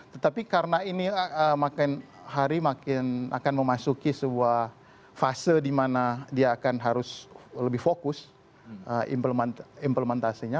tetapi karena ini makin hari makin akan memasuki sebuah fase di mana dia akan harus lebih fokus implementasinya